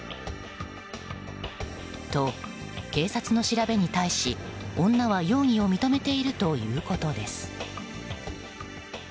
と、警察の調べに対し女は容疑を認めているということです。